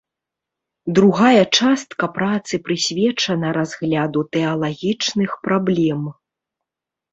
Другая частка працы прысвечана разгляду тэалагічных праблем.